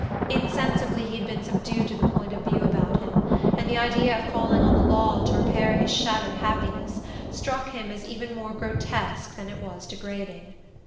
Insensibly he had been subdued to the point of view about him, and the idea of calling on the law to repair his shattered happiness struck him as even more grotesque than it was degrading.